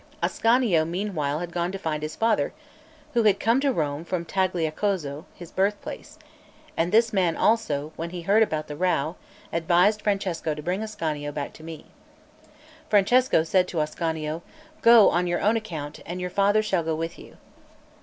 Ascanio meanwhile had gone to find his father, who had come to Rome from Tagliacozzo, his birthplace; and this man also, when he heard about the row, advised Francesco to bring Ascanio back to me. Francesco said to Ascanio: "Go on your own account, and your father shall go with you."